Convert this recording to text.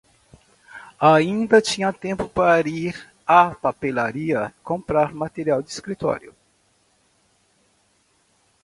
Ainda tinha tempo para ir à papelaria comprar material de escritório.